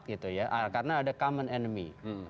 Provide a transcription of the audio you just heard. gitu ya karena ada common enemy